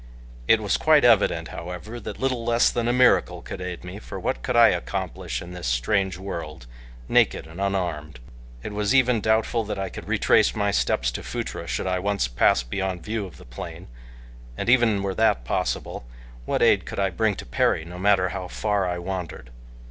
It was quite evident however that little less than a miracle could aid me, for what could I accomplish in this strange world, naked and unarmed? It was even doubtful that I could retrace my steps to Phutra should I once pass beyond view of the plain, and even were that possible, what aid could I bring to Perry no matter how far I wandered?